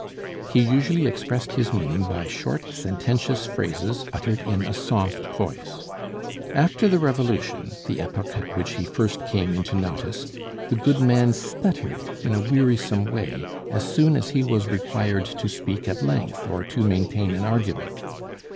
He usually expressed his meaning by short sententious phrases uttered in a soft voice. After the Revolution, the epoch at which he first came into notice, the good man stuttered in a wearisome way as soon as he was required to speak at length or to maintain an argument.